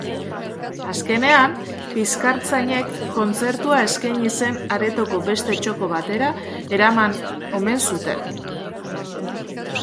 Azkenean, bizkartzainek kontzertua eskaini zen aretoko beste txoko batera eraman omen zuten.